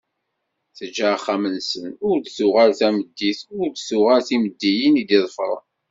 Teǧǧa axxam-nsen, ur d-tuɣal tameddit, ur d-tuɣal timeddiyin i d-iḍefren.